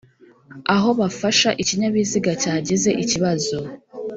Aho bafasha ikinyabiziga cyagize ikibazo